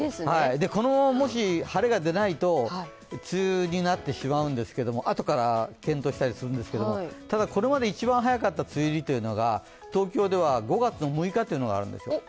このままし、晴れが出ないと梅雨になってしまうんですけどあとから検討したりするんですけど、これまで一番早かった梅雨入りが東京、５月６日というのがあるんですよ。